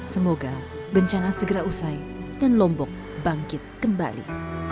semoga bencana segera usai dan lombok bangkit kembali